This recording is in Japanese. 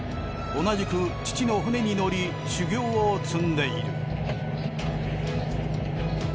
同じく父の船に乗り修業を積んでいる。